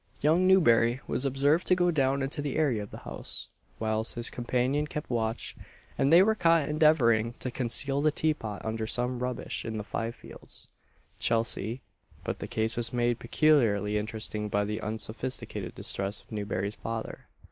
Young Newberry was observed to go down into the area of the house, whilst his companion kept watch, and they were caught endeavouring to conceal the tea pot under some rubbish in the Five fields, Chelsea; but the case was made peculiarly interesting by the unsophisticated distress of Newberry's father.